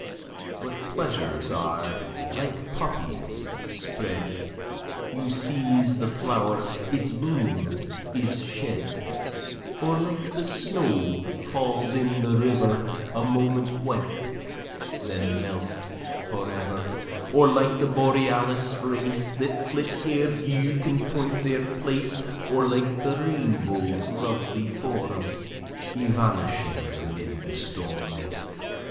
But pleasures are like poppies spread, You seize the flow'r, its bloom is shed; Or like the snow falls in the river, A moment white then melt forever; Or like the borealis race, That flit ere you can point their place; Or like the rainbow's lovely form Evanishing amid the storm.